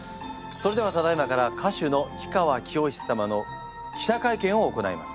それではただいまから歌手の氷川きよし様の記者会見を行います。